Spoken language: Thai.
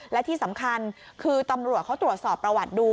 และที่สำคัญคือตำรวจเขาตรวจสอบประวัติดู